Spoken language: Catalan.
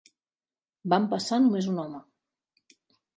Vam passar només un home.